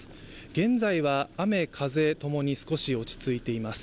現在は雨風共に少し落ち着いています。